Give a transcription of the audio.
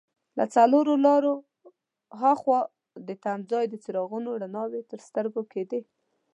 له څلور لارې ور هاخوا د تمځای د څراغونو رڼاوې تر سترګو کېدې.